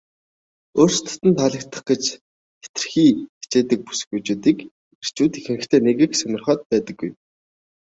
өөрсдөд нь таалагдах гэж хэтэрхий хичээдэг бүсгүйчүүдийг эрчүүд ихэнхдээ нэг их сонирхоод байдаггүй.